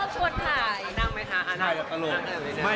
ชอบมากชอบชวนถ่าย